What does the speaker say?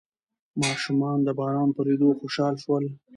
ماشومان د باران په لیدو خوشحال شول.